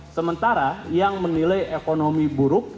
sementara yang menilai ekonomi buruk